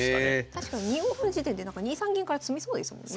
確かに２五歩の時点で２三銀から詰みそうですもんね。